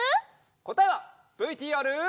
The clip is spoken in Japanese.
こたえはＶＴＲ。